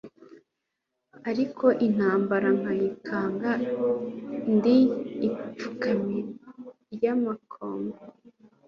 Ariko intambara nkayikanga ndi ipfukamiro ry,amakombe